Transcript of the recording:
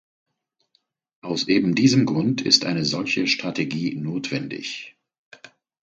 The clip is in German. Aus eben diesem Grund ist eine solche Strategie notwendig.